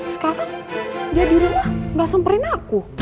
sekarang dia dirumah gak samperin aku